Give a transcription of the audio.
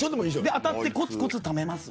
当たってコツコツためますわ。